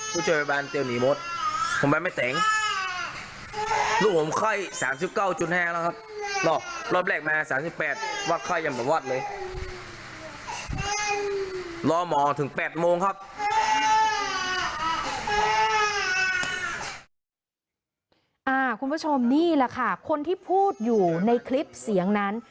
คุณผู้ชมนี่แหละค่ะคนที่พูดอยู่ในคลิปเสียงนั้น